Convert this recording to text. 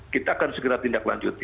kita akan segera tindak lanjuti